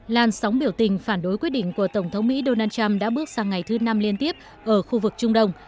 làn sóng biểu tình phản đối quyết định của tổng thống mỹ donald trump đã bước sang ngày thứ năm liên tiếp ở khu vực trung đông